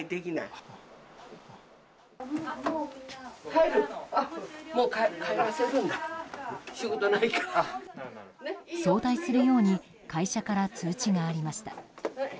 早退するように会社から通知がありました。